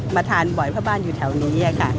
มาทานบ่อยเพราะบ้านอยู่แถวนี้ค่ะ